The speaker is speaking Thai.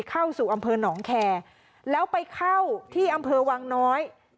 เข้าสู่อำเภอหนองแคร์แล้วไปเข้าที่อำเภอวังน้อย